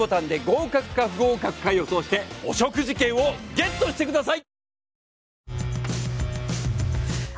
合格か不合格か予想してお食事券をＧＥＴしてください